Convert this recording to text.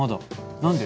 何で？